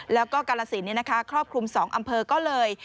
แล้วก็กาลสินครอบคลุม๒อำเภอก็เลย